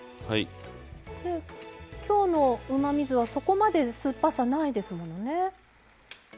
今日のうまみ酢はそこまで酸っぱさないですものね。